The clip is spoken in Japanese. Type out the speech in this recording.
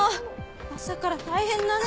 朝から大変だね。